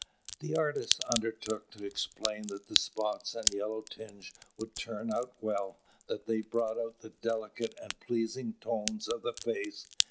The artist undertook to explain that the spots and yellow tinge would turn out well, that they brought out the delicate and pleasing tones of the face.